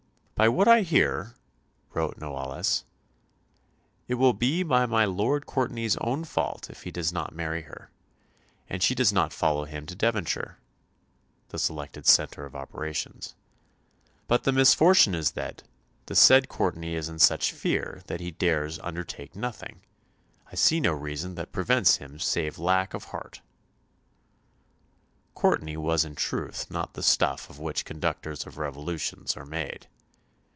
"By what I hear," wrote Noailles, "it will be by my Lord Courtenay's own fault if he does not marry her, and she does not follow him to Devonshire," the selected centre of operations "but the misfortune is that the said Courtenay is in such fear that he dares undertake nothing. I see no reason that prevents him save lack of heart." Courtenay was in truth not the stuff of which conductors of revolutions are made.